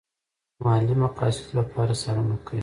ماليې مقاصدو لپاره څارنه کوي.